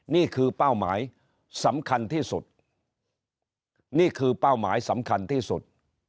เป้าหมายสำคัญที่สุดนี่คือเป้าหมายสำคัญที่สุด